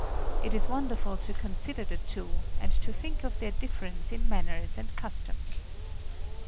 It is wonderful to consider the two, and to think of their difference in manners and customs.